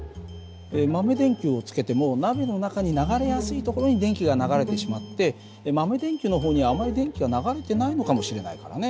豆電球をつけても鍋の中に流れやすいところに電気が流れてしまって豆電球の方にはあまり電気は流れてないのかもしれないからね。